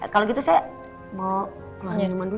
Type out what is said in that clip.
kalau gitu saya mau nyaman dulu